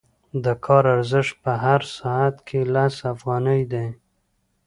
د کار ارزښت په هر ساعت کې لس افغانۍ دی